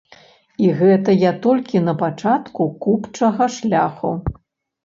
І гэта я толькі на пачатку купчага шляху.